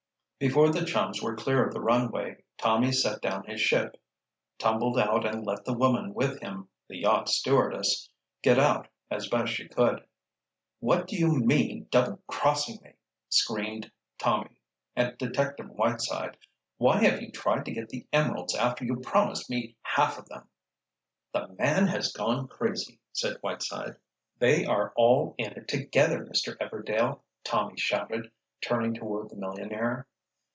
Before the chums were clear of the runway, Tommy set down his ship, tumbled out and let the woman with him—the yacht stewardess—get out as best she could. "What do you mean, double crossing me?" screamed Tommy at detective Whiteside. "Why have you tried to get the emeralds after you promised me half of them?" "The man has gone crazy," said Whiteside. "They are all in it together, Mr. Everdail," Tommy shouted, turning toward the millionaire.